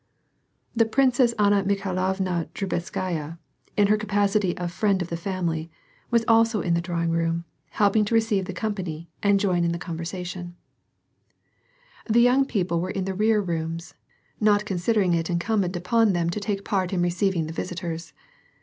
The Princess Anna Mikhailovna Drubetskaya, in her capa city of friend of the family, was also in the drawing room, heiping to receive the company aad join in the conversation. 40 WAR AND PEACE. The young people were in the rear rooms, not considering it incumbent upon them to take part in receiving the visitors.